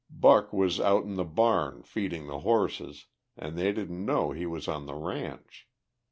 Buck was out in the barn, feeding the horses, an' they didn't know he was on the ranch.